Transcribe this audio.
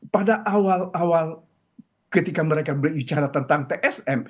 pada awal awal ketika mereka berbicara tentang tsm